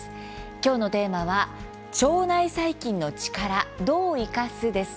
今日のテーマは「腸内細菌の力、どういかす？」です。